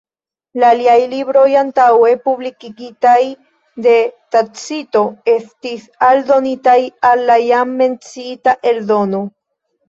La aliaj libroj antaŭe publikigitaj de Tacito estis aldonitaj al la jam menciita eldono.